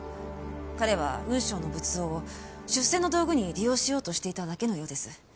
彼は雲尚の仏像を出世の道具に利用しようとしていただけのようです。